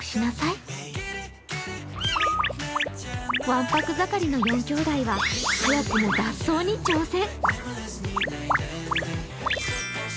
わんぱく盛りの４きょうだいは早くも脱走に挑戦。